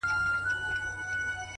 هره ورځ د نوې رڼا دروازه ده!